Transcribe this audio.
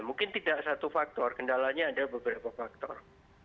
mungkin tidak satu faktor kendalanya ada beberapa faktor